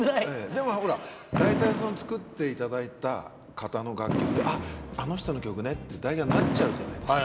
でもほら大体作っていただいた方の楽曲であの人の曲ねって大体なっちゃうじゃないですか。